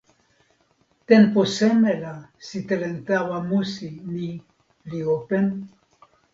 tenpo seme la sitelen tawa musi ni li open?